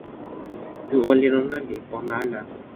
tu olin ona li pona ala.